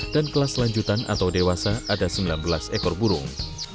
dan kelas lanjutan atau dewasa ada sembilan belas ekor burung